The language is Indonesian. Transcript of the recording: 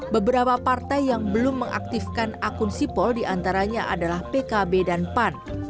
beberapa partai yang belum mengaktifkan akun sipol diantaranya adalah pkb dan pan